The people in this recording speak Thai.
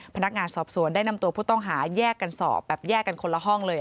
พนักงานสอบสวนได้นำตัวผู้ต้องหาแยกกันสอบแบบแยกกันคนละห้องเลย